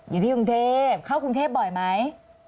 อยู่ที่กรุงเทพเข้ากรุงเทพบ่อยไหม